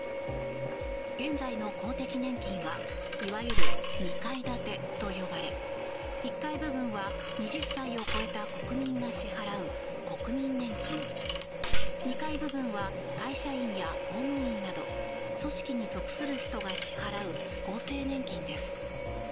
現在の公的年金はいわゆる２階建てと呼ばれ１階部分は２０歳を超えた国民が支払う国民年金２階部分は会社員や公務員など組織の属する人が支払う厚生年金です。